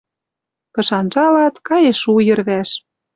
Кыш анжалат — каеш у йӹрвӓш.